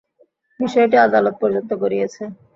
বিষয়টি আদালত পর্যন্ত গড়িয়েছে।